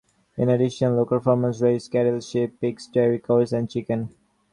In addition, local farmers raise cattle, sheep, pigs, dairy cows and chicken.